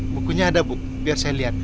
bukunya ada bu biar saya lihat